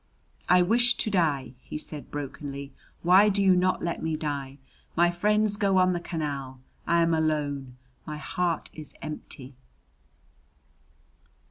"I wish to die!" he said brokenly. "Why you do not let me die? My friends go on the canal! I am alone! My heart is empty!"